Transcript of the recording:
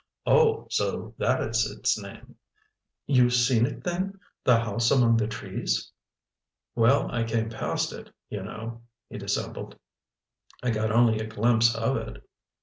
"Oh, so that is its name!" "You've seen it then—the house among the trees?" "Well, I came past it, you know," he dissembled. "I got only a glimpse of it...."